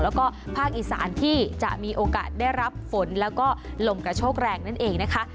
แล้วก็ภาคอีสานที่จะมีโอกาสได้รับฝนแล้วก็ลมกระโชกแรงนั่นเองนะคะ